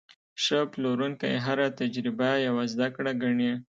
ښه پلورونکی هره تجربه یوه زده کړه ګڼي.